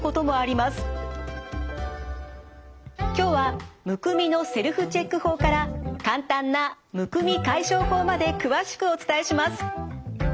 今日はむくみのセルフチェック法から簡単なむくみ解消法まで詳しくお伝えします。